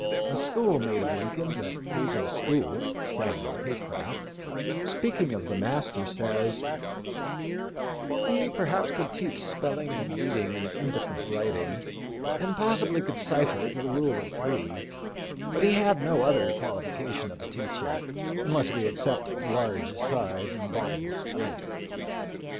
A school mate f of Lincoln's at Hazel's school, speaking of the mas ter, says :" He perhaps could teach spelling and reading and indifferent writing, and possibly could cipher to the rule of three ; but he had no other qualification of a teacher, unless we accept large size and bodily strength.